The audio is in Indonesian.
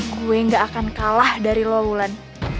gue gak akan kalah dari lo ulan